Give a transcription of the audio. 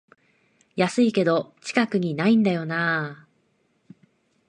安いけど近くにないんだよなあ